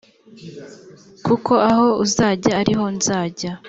kuko aho uzajya ari ho nzajya